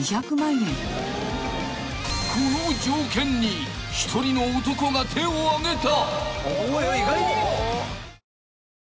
［この条件に一人の男が手を挙げた］